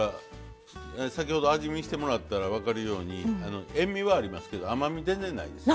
先ほど味見してもらったら分かるように塩味はありますけど甘み全然ないです。